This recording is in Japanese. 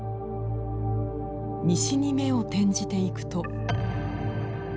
西に目を転じていくと。